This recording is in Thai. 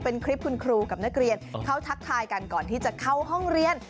เป็นคลิปคุณครูกับนักเรียนเขาทักทายกันก่อนที่จะเข้าห้องเรียน